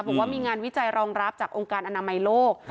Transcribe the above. บอกว่ามีงานวิจัยรองรับจากองค์การอนามัยโลก